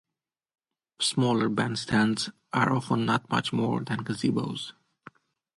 Smaller bandstands are often not much more than gazebos.